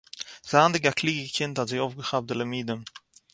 זייענדיג אַ קלוגע קינד האָט זי אויפגעכאַפּט די לימודים